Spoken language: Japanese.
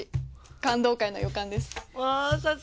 感動回の予感です。